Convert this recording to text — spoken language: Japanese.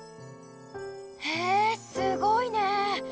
へえすごいね！